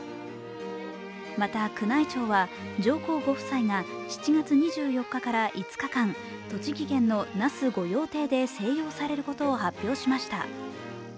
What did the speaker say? また宮内庁は上皇ご夫妻が７月２４日から５日間、栃木県の那須御用邸で静養されることを発表しました。